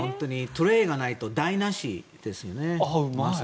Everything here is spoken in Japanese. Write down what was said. トレーがないとだいなしですよね。